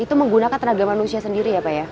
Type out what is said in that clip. itu menggunakan tenaga manusia sendiri ya pak ya